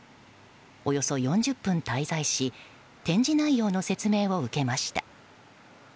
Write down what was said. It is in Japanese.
およそ４０分滞在し展示内容の説明を受けました。